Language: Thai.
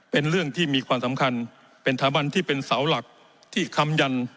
เป็นเรื่องที่มีความสำคัญเป็นสาวหลักที่คำยัน